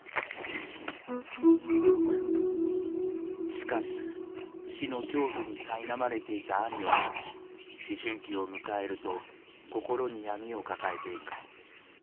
しかし死の恐怖にさいなまれていた兄は思春期を迎えると心に闇を抱えていく。